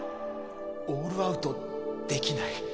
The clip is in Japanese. オールアウトできない？